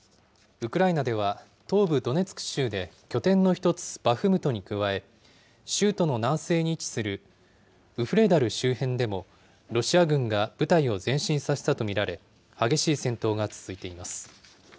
ウクライナでは、東部ドネツク州で拠点の一つ、バフムトに加え、州都の南西に位置するウフレダル周辺でもロシア軍が部隊を前進させたと見られ、激しい戦闘が続いています。